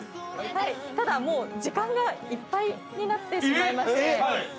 ただもう時間がいっぱいになってしまいまして。